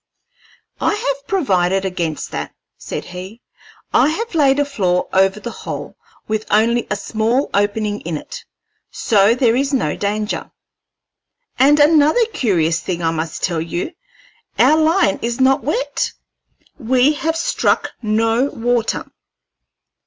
"I have provided against that," said he. "I have laid a floor over the hole with only a small opening in it, so there is no danger. And another curious thing I must tell you our line is not wet: we have struck no water!"